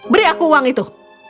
beri aku uang itu